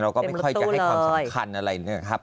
เราก็ไม่ค่อยจะให้ความสำคัญอะไรนะครับ